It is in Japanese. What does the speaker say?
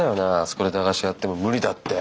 そこで駄菓子屋やっても無理だって。